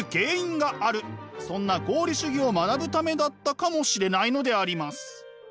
そんな合理主義を学ぶためだったかもしれないのであります。